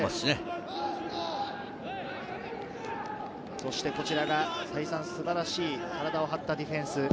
そしてこちらが再三、素晴らしい体を張ったディフェンス。